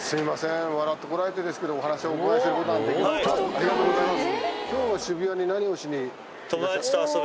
ありがとうございます。